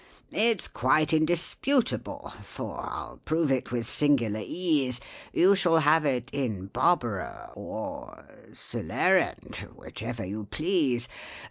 "It's quite indisputable, for I'll prove it with singular ease,— You shall have it in 'Barbara' or 'Celarent'—whichever you please.